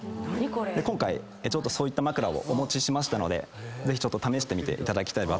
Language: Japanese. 今回そういった枕をお持ちしましたのでぜひ試してみていただきたいなと。